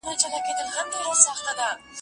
چې دروښيیمه لار د روان ستوري